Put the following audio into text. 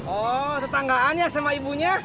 oh tetanggaan ya sama ibunya